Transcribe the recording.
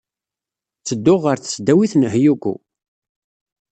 Ttedduɣ ɣer Tesdawit n Hyogo.